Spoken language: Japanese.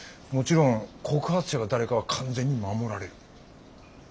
もちろん告発者が誰かは完全に守られる。